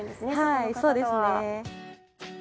はいそうですね。